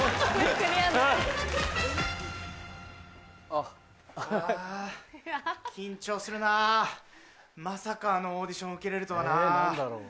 ・あ・緊張するなまさかあのオーディション受けれるとはな。え何だろう？